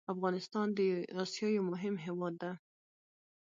افغانستان د اسيا يو مهم هېواد ده